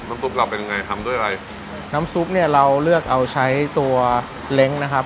ซุปเราเป็นยังไงทำด้วยอะไรน้ำซุปเนี้ยเราเลือกเอาใช้ตัวเล้งนะครับ